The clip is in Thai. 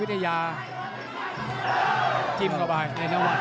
มั่นใจว่าจะได้แชมป์ไปพลาดโดนในยกที่สามครับเจอหุ้กขวาตามสัญชาตยานหล่นเลยครับ